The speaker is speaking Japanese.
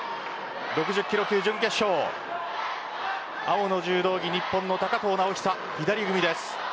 ６０キロ級準決勝青の柔道着、日本の高藤直寿左組みです。